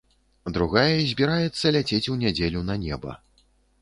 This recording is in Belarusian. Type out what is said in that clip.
Другая збіраецца ляцець у нядзелю на неба.